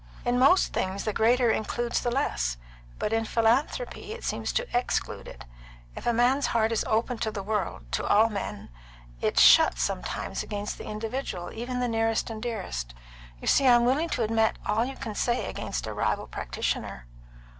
"In most things the greater includes the less, but in philanthropy it seems to exclude it. If a man's heart is open to the whole world, to all men, it's shut sometimes against the individual, even the nearest and dearest. You see I'm willing to admit all you can say against a rival practitioner."